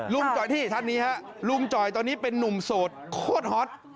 จ่อยที่ท่านนี้ฮะลุงจ่อยตอนนี้เป็นนุ่มโสดโคตรฮอต